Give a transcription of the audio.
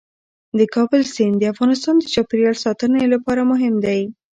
د کابل سیند د افغانستان د چاپیریال ساتنې لپاره مهم دی.